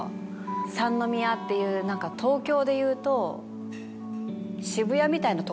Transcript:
三宮っていう何か東京でいうと。